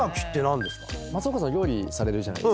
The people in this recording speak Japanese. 松岡さん料理されるじゃない。